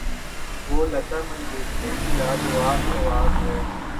وہ لتا منگیشکر کی لا جواب آواز ہے۔